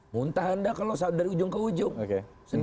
muntah anda kalau dari ujung ke ujung